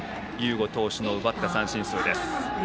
伍投手の奪った三振数です。